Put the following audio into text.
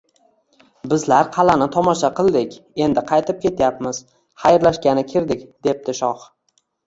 – Bizlar qal’ani tomosha qildik. Endi qaytib ketyapmiz. Xayrlashgani kirdik, – debdi shoh.